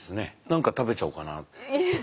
何か食べちゃおうかなって。